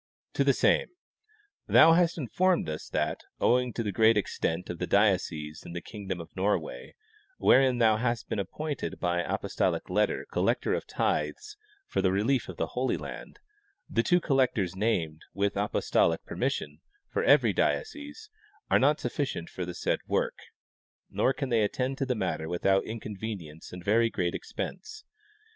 To the same : Thou hast informed us that, owing to the great extent of the dioceses in the kingdom of Norway, wherein thou hast been appointed by apostolic letter collector of tithes for the relief of the Holy Land, the two collectors named, with apostolic per mission, for every diocese, are not sufficient for the said work, nor can they attend to the matter without inconvenience and very great expense.